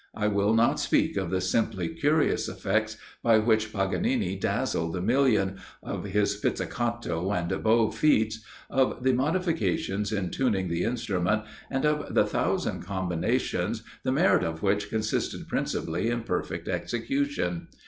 I will not speak of the simply curious effects by which Paganini dazzled the million of his pizzicato and bow feats of the modifications in tuning the instrument, and of the thousand combinations, the merit of which consisted principally in perfect execution.